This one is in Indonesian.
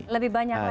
lebih banyak lagi